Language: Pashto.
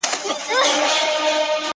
وږی تږی قاسم یار یې له سترخانه ولاړېږم,